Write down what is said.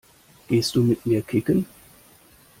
Gehst du mit mir kicken?